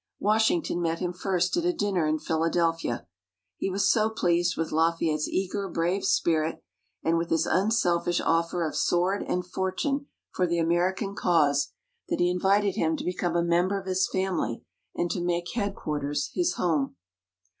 Washington met him first at a dinner in Philadelphia. He was so pleased with Lafayette's eager, brave spirit, and with his unselfish offer of sword and fortune for the American cause, that he invited him to become a member of his family, and to make Headquarters his home.